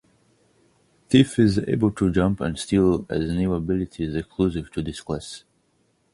Thief is able to jump and steal as new abilities exclusive to this class.